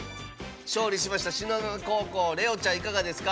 勝利しました東雲高校れおちゃんいかがですか？